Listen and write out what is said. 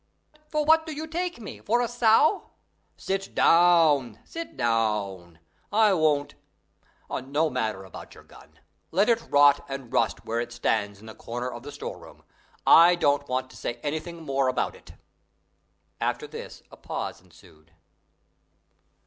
"For what do you take me for a sow?" "Sit down, sit down! I won't No matter about your gun; let it rot and rust where it stands in the corner of the storeroom. I don't want to say anything more about it!" After this a pause ensued.